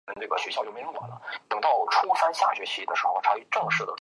古希腊悲剧诗人之一。